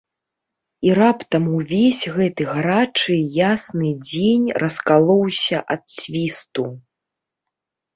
І раптам увесь гэты гарачы і ясны дзень раскалоўся ад свісту.